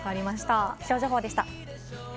気象情報でした。